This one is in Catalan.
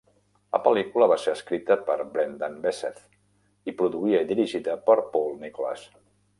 La pel·lícula va ser escrita per Brendan Beseth, i produïda i dirigida per Paul Nicolas.